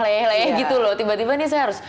leleh gitu loh tiba tiba ini saya harus